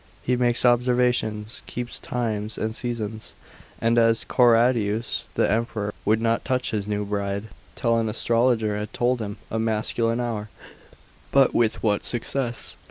He makes observations, keeps times and seasons; and as Conradus the emperor would not touch his new bride, till an astrologer had told him a masculine hour, but with what success?